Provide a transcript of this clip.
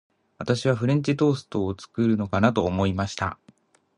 私はフレンチトーストを作るのかなと思いました。